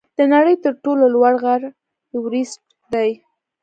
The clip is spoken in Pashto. د نړۍ تر ټولو لوړ غر ایورسټ دی.